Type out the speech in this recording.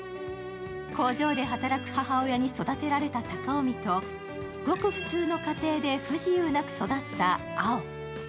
工場で働く母親に育てられた貴臣と、ごく普通の家庭で不自由なく育った碧。